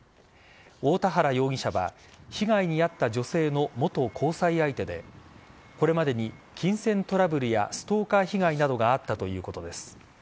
大田原容疑者は被害に遭った女性の元交際相手でこれまでに金銭トラブルやストーカー被害などがあったということです。